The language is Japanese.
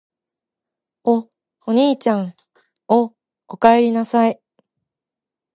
お、おにいちゃん・・・お、おかえりなさい・・・